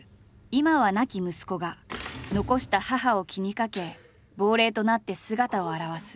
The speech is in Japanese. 今は亡き息子が残した母を気にかけ亡霊となって姿を現す。